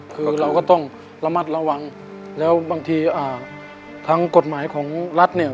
คือเราก็ต้องระมัดระวังแล้วบางทีอ่าทางกฎหมายของรัฐเนี่ย